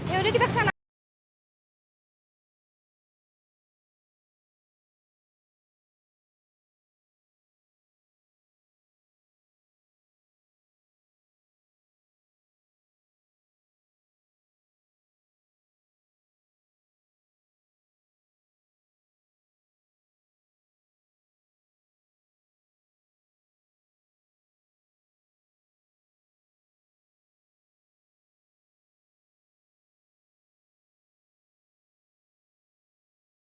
ya udah kita kesana